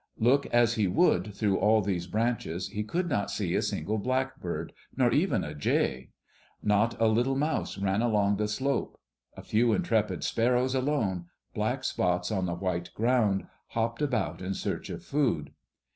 Look as he would through all those branches, he could not see a single blackbird, nor even a jay. Not a little mouse ran along the slope. A few intrepid sparrows alone, black spots on the white ground, hopped about in search of food.